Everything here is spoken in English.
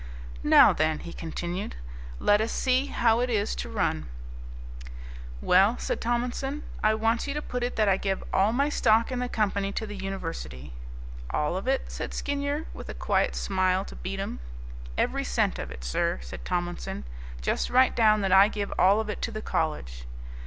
"Now then," he continued, "let us see how it is to run." "Well," said Tomlinson, "I want you to put it that I give all my stock in the company to the university." "All of it?" said Skinyer, with a quiet smile to Beatem. "Every cent of it, sir," said Tomlinson; "just write down that I give all of it to the college."